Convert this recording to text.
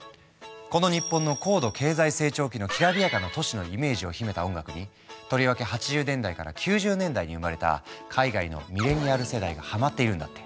この日本の高度経済成長期のきらびやかな都市のイメージを秘めた音楽にとりわけ８０年代から９０年代に生まれた海外のミレニアル世代がハマっているんだって。